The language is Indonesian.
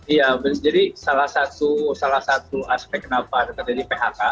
iya jadi salah satu aspek kenapa terjadi phk